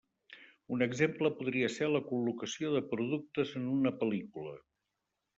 Un exemple podria ser la col·locació de productes en una pel·lícula.